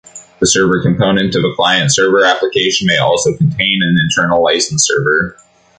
The server component of a client-server application may also contain an internal license server.